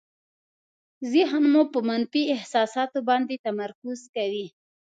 ذهن مو په منفي احساساتو باندې تمرکز کوي.